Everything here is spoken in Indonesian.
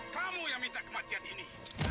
kamu yang minta kematian ini